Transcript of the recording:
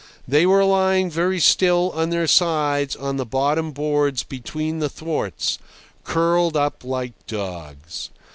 They were lying very still on their sides on the bottom boards between the thwarts, curled up like dogs.